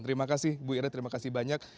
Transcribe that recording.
terima kasih bu ira terima kasih banyak